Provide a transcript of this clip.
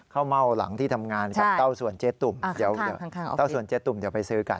เข้าเม่าหลังที่ทำงานกับเต้าสวนเจตุ่มเดี๋ยวเต้าสวนเจตุ่มจะไปซื้อกัน